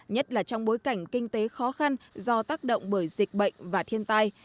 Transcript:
nhất là trong bối cảnh kinh tế khó khăn do tác động bởi dịch bệnh và thiên tai